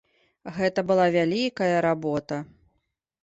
Гэта была вялікая работа.